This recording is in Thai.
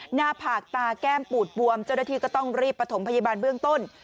หน้าผากตาแก้มปูดบวมเจ้าหน้าที่ก็ต้องรีบประถมพยาบาลเบื้องต้น